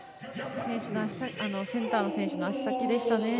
センターの選手の足先でした。